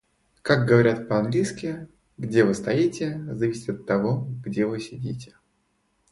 Как говорят по-английски: "Где вы стоите, зависит от того, где вы сидите".